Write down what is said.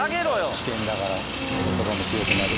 危険だから言葉も強くなる。